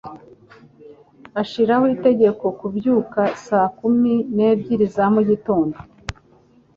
Ashiraho itegeko kubyuka saa kumi n'ebyiri za mugitondo.